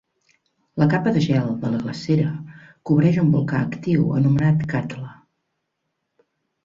La capa de gel de la glacera cobreix un volcà actiu anomenat Katla.